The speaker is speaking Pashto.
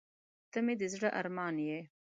• ته مې د زړه ارمان یې.